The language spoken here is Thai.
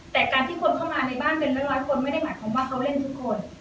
แต่การที่คนเข้ามาในบ้านเป็นร้อยคนไม่ได้หมายความว่าเขาเล่นทุกคน